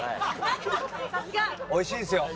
おいしいですよ。